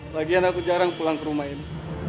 bagian aku jarang pulang ke rumah ini